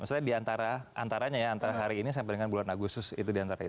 maksudnya di antara antaranya ya antara hari ini sampai dengan bulan agustus itu di antara itu